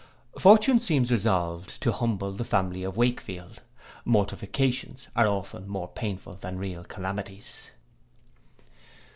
Fortune seems resolved to humble the family of Wakefield. Mortifications are often more painful than real calamities.